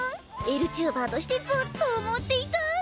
エルチューバーとしてずっと思っていた！